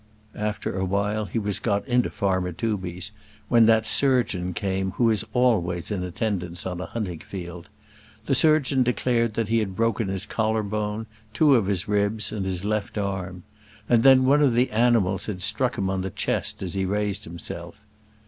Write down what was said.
After awhile he was got into farmer Tooby's, when that surgeon came who is always in attendance on a hunting field. The surgeon declared that he had broken his collar bone, two of his ribs, and his left arm. And then one of the animals had struck him on the chest as he raised himself.